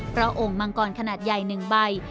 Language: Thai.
เพราะองค์มังกรขนาดใหญ่๑ใบ